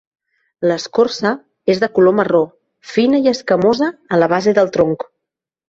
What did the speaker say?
L'escorça és de color marró, fina i escamosa a la base del tronc.